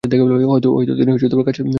হয়তো তিনি কাচুলীর কথাই বলতেন।